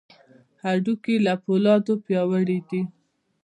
هډوکي له فولادو پیاوړي دي.